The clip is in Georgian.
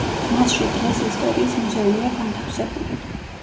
მასში დღეს ისტორიის მუზეუმია განთავსებული.